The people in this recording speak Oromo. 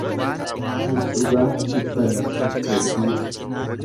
tan dhugaa hindubbanne, sobduu.